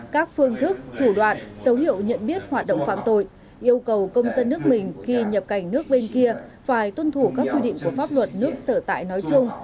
các phương thức thủ đoạn dấu hiệu nhận biết hoạt động phạm tội yêu cầu công dân nước mình khi nhập cảnh nước bên kia phải tuân thủ các quy định của pháp luật nước sở tại nói chung